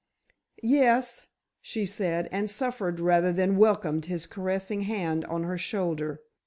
"Yes," she said, and suffered rather than welcomed his caressing hand on her shoulder.